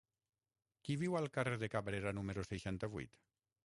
Qui viu al carrer de Cabrera número seixanta-vuit?